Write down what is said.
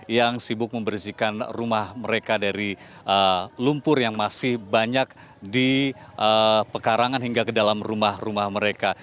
yang sibuk membersihkan rumah mereka dari lumpur yang masih banyak di pekarangan hingga ke dalam rumah rumah mereka